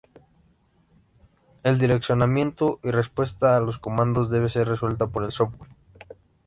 El direccionamiento y respuesta a los comandos debe ser resuelta por el software.